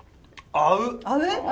合う？